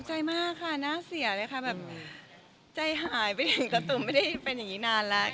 ตกใจมากค่ะน่าเสียนะคะใจหายไปถึงกระถุมไม่สิ่งแรงเพราะไม่ได้ได้นรีนานแล้ว